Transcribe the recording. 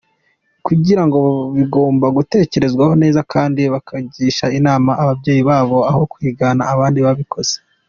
Kubikora ngo bigomba gutekerezwaho neza kandi bakanagisha inama ababyeyi babo aho kwigana abandi babikoze.